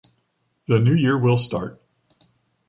The new year will start.